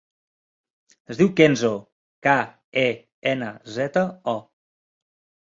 Es diu Kenzo: ca, e, ena, zeta, o.